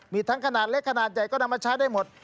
มีทั้งขนาดเล็กขนาดใหญ่ก็นำมาใช้ได้หมด